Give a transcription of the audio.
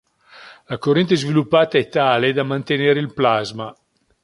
La corrente sviluppata è tale da mantenere il plasma.